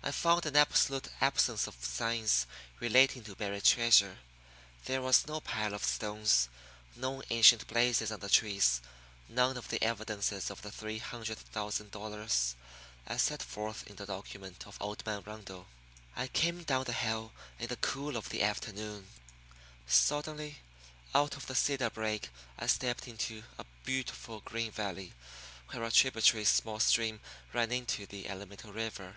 I found an absolute absence of signs relating to buried treasure. There was no pile of stones, no ancient blazes on the trees, none of the evidences of the three hundred thousand dollars, as set forth in the document of old man Rundle. I came down the hill in the cool of the afternoon. Suddenly, out of the cedar brake I stepped into a beautiful green valley where a tributary small stream ran into the Alamito River.